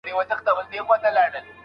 څېړونکی د حقایقو د موندلو لپاره کار کوي.